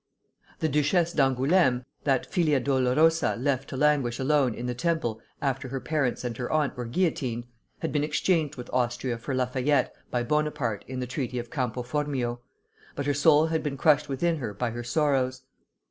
The Duchesse d'Angoulême, that filia dolorosa left to languish alone in the Temple after her parents and her aunt were guillotined, had been exchanged with Austria for Lafayette by Bonaparte in the treaty of Campo Formio; but her soul had been crushed within her by her sorrows.